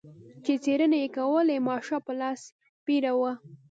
چې څېړنې یې کولې ماشه په لاس پیره و.